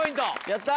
やった！